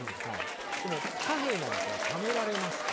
でも貨幣ならこれためられますから。